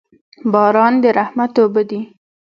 باران د رحمت اوبه دي.